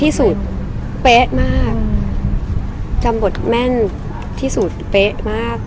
ที่สุดเป๊ะมากจำบทแม่นที่สุดเป๊ะมาก